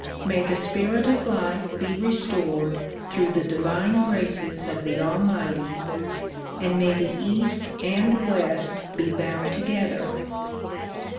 May the spirit of life be restored through the divine graces of the Almighty and may the east and west be bound together.